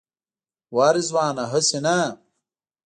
وا رضوانه هسې نه.